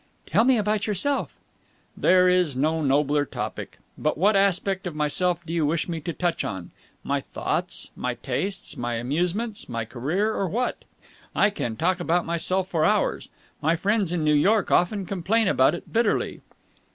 "Tell me about yourself." "There is no nobler topic. But what aspect of myself do you wish me to touch on? My thoughts, my tastes, my amusements, my career, or what? I can talk about myself for hours. My friends in New York often complain about it bitterly."